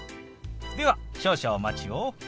では少々お待ちを。